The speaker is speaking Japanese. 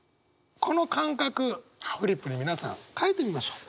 この感覚フリップに皆さん書いてみましょう。